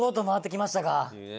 きました。